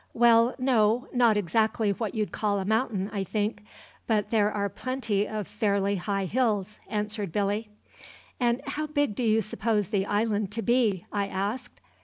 "Well no; not exactly what you'd call a mountain, I think; but there are plenty of fairly high hills," answered Billy. "And how big do you suppose the island to be?" I asked.